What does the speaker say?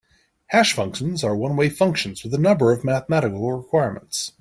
Hash functions are one-way functions with a number of mathematical requirements.